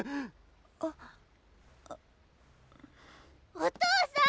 お父さん！